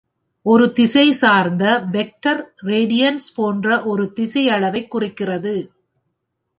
ஒரு திசைசார்ந்த vector radiance போன்ற ஒரு திசையளவைக் குறிக்கிறது.